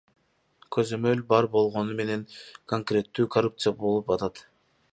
Көзөмөл бар болгону менен конкреттүү коррупция болуп атат.